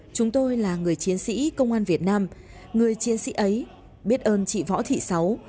chúng tôi là người chiến sĩ công an việt nam người chiến sĩ ấy biết ơn chị võ thị sáu